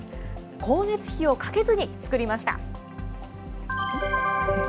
光熱費をかけずに作りました。